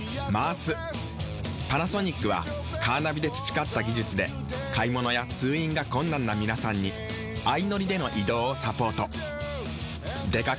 パナソニックはカーナビで培った技術で買物や通院が困難な皆さんに相乗りでの移動をサポート。